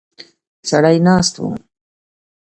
سړی ناست و.